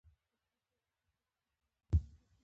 موږ باید سیاحت هڅوو ، ترڅو افغانستان اباد شي.